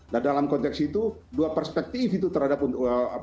nah dalam konteks itu dua perspektif itu terhadap